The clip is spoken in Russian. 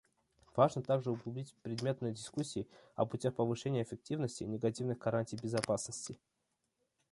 Важно также углубить предметные дискуссии о путях повышения эффективности негативных гарантий безопасности.